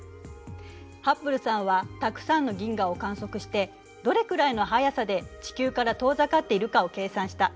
ハッブルさんはたくさんの銀河を観測してどれくらいの速さで地球から遠ざかっているかを計算した。